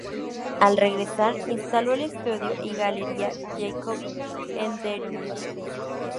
Al regresar instaló el estudio y galería Jacobi en Deering.